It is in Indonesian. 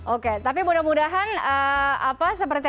oke tapi mudah mudahan seperti yang mas awi sampaikan